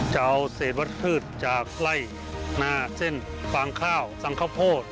จะเอาเศษวัชพืชจากไล่เส้นฟางข้าวฟังข้าวโพด